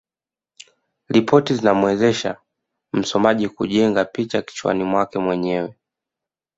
Ripoti zinamwezesha msomaji kujenga picha kichwani mwake mwenyewe